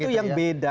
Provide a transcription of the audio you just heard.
itu yang beda